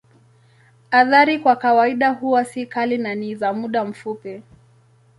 Athari kwa kawaida huwa si kali na ni za muda mfupi.